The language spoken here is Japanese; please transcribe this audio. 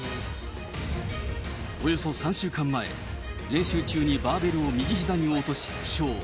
およそ３週間前、練習中にバーベルを右ひざに落とし負傷。